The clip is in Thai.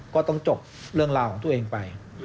ก็ต้องจบเรื่องราวของตัวเองไป